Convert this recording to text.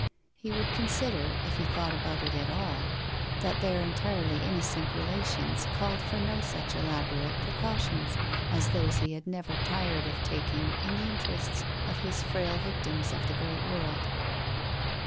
He would consider, if he thought about it at all, that their entirely innocent relations called for no such elaborate precau tions as those he was never tired of taking in the in terests of his frail victims of the great world.